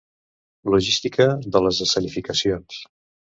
Logística de les escenificacions.